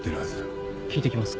聞いてきます。